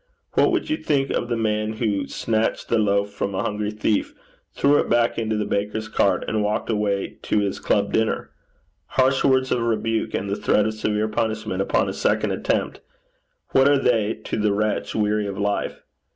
What would you think of the man who snatched the loaf from a hungry thief, threw it back into the baker's cart, and walked away to his club dinner? Harsh words of rebuke, and the threat of severe punishment upon a second attempt what are they to the wretch weary of life?